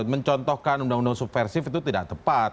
mencontohkan undang undang subversif itu tidak tepat